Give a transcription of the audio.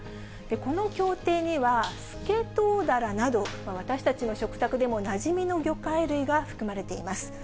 この協定には、スケトウダラなど、私たちの食卓でもなじみの魚介類が含まれています。